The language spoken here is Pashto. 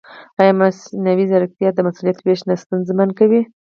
ایا مصنوعي ځیرکتیا د مسؤلیت وېش نه ستونزمن کوي؟